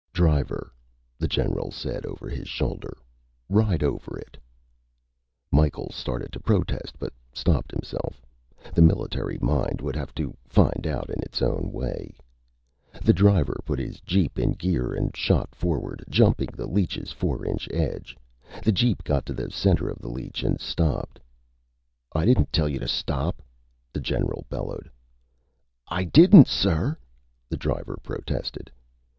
"Driver," the general said over his shoulder. "Ride over it." Micheals started to protest, but stopped himself. The military mind would have to find out in its own way. The driver put his jeep in gear and shot forward, jumping the leech's four inch edge. The jeep got to the center of the leech and stopped. "I didn't tell you to stop!" the general bellowed. "I didn't, sir!" the driver protested.